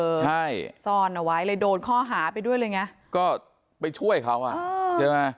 ใช่ซ่อนเอาไว้เลยโดนข้อหาไปด้วยเลยไงก็ไปช่วยเขาอ่ะใช่ไหม